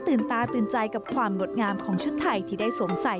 ตาตื่นใจกับความงดงามของชุดไทยที่ได้สวมใส่